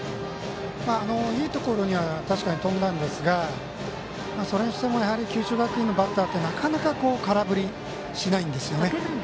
いいところには確かに飛びましたがそれにしても九州学院のバッターってなかなか空振りしないんですよね。